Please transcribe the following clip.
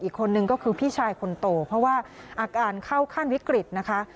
อีกคนนึงก็คือพี่ชายคนโตเพราะว่าอาการเข้าขั้นวิกฤตนะคะ